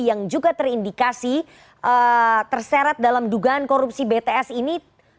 yang juga terindikasi terseret dalam dugaan korupsi bts ini